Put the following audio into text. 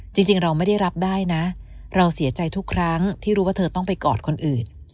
จริงเราไม่ได้รับได้นะเราเสียใจทุกครั้งที่รู้ว่าเธอต้องไปกอดคนอื่น